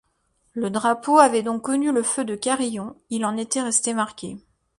Le drapeau avait donc connu le feu de Carillon, il en était resté marqué.